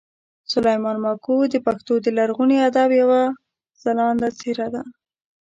سلیمان ماکو د پښتو د لرغوني ادب یوه خلانده څېره ده